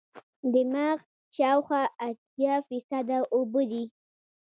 دماغ شاوخوا اتیا فیصده اوبه دي.